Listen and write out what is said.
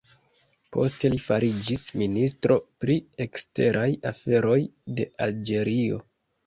Poste li fariĝis ministro pri eksteraj aferoj de Alĝerio.